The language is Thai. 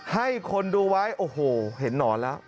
ให้คนดูไว้โอ้โหเห็นหนอนแล้ว